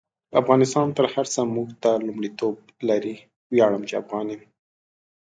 افغانستان تر هر سه مونږ ته لمړیتوب لري: ویاړم چی افغان يم